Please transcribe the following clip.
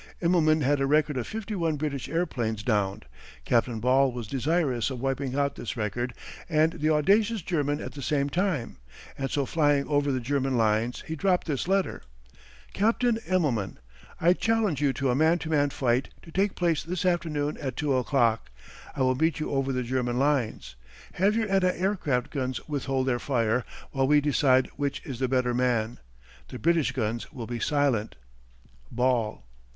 Immelman had a record of fifty one British airplanes downed. Captain Ball was desirous of wiping out this record and the audacious German at the same time, and so flying over the German lines he dropped this letter: CAPTAIN IMMELMAN: I challenge you to a man to man fight to take place this afternoon at two o'clock. I will meet you over the German lines. Have your anti air craft guns withhold their fire, while we decide which is the better man. The British guns will be silent. BALL.